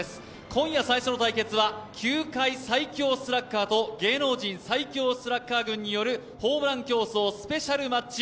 今夜最初の対決は球界最強スラッガーと、芸能人最強スラッガー軍によるホームランスペシャルマッチ。